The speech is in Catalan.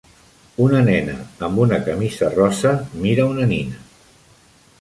Una nena amb una camisa rosa mira una nina.